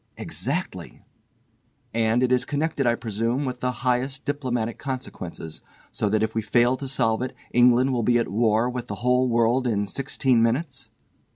"Exactly." "And it is connected, I presume, with the highest diplomatic consequences, so that if we fail to solve it England will be at war with the whole world in sixteen minutes?"